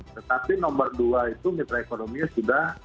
tetapi nomor dua itu mitra ekonominya sudah